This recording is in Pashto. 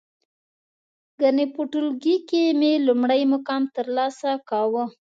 گني په ټولگي کې مې لومړی مقام ترلاسه کاوه.